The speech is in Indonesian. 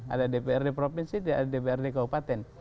ada dprd provinsi dprd kabupaten